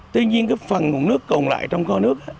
tuy nhiên cái phần nguồn nước còn lại trong kho nước